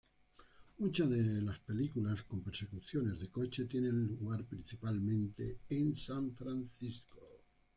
Muchas de películas con persecuciones de coches tienen lugar principalmente en San Francisco.